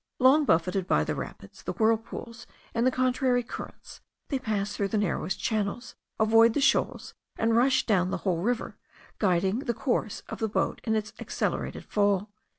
Long buffeted by the rapids, the whirlpools, and the contrary currents, they pass through the narrowest channels, avoid the shoals, and rush down the whole river, guiding the course of the boat in its accelerated fall."